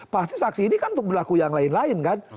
pasti saksi ini kan untuk berlaku yang lain lain kan